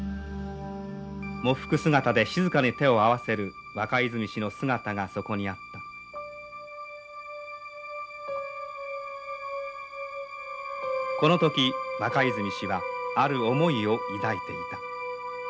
喪服姿で静かに手を合わせる若泉氏の姿がそこにあったこの時若泉氏はある思いを抱いていた。